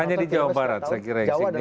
hanya di jawa barat saya kira ya